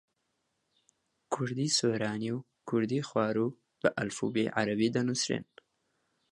کوردیی سۆرانی و کوردیی خواروو بە ئەلفوبێی عەرەبی دەنووسرێن.